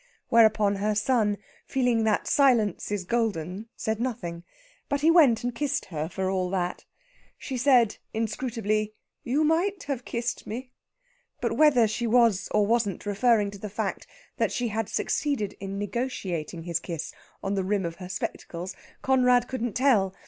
Whereupon her son, feeling that silence is golden, said nothing. But he went and kissed her for all that. She said inscrutably: "You might have kissed me." But whether she was or wasn't referring to the fact that she had succeeded in negotiating his kiss on the rim of her spectacles, Conrad couldn't tell.